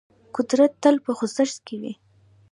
قدرت تل په خوځښت کې وي.